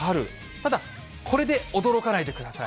ただ、これで驚かないでください。